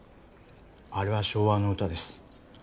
あれは昭和の歌です。